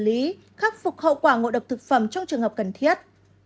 các biện pháp phục hậu quả ngộ độc thực phẩm trong trường hợp cần thiết